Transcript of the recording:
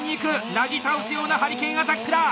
なぎ倒すようなハリケーンアタックだ！